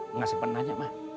nggak sepenanya ma